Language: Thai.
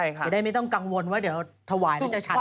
ไม่ได้ไม่ต้องกังวลว่าเดี๋ยวถวายมันจะชัดไม่ได้